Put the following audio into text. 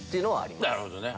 なるほどね。